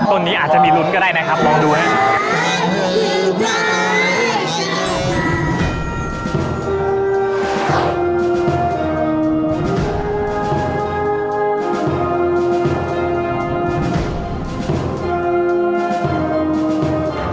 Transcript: ต้นนี้อาจจะมีลุ้นก็ได้นะครับลองดูครับ